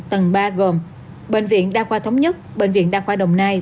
tầng ba gồm bệnh viện đa khoa thống nhất bệnh viện đa khoa đồng nai